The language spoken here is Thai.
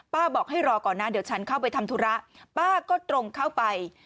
บอกให้รอก่อนนะเดี๋ยวฉันเข้าไปทำธุระป้าก็ตรงเข้าไป